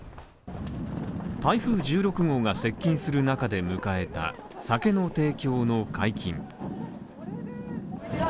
台風１６号が接近する中で迎えた酒の提供の解禁。